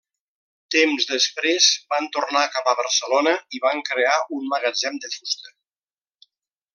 Temps després van tornar cap a Barcelona i van crear un magatzem de fusta.